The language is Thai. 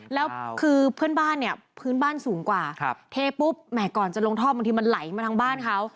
แล้วคือเพื่อนบ้านเนี่ยพื้นบ้านสูงกว่าเทปุ๊บแหมก่อนจะลงท่อบางทีมันไหลมาทางบ้านเขา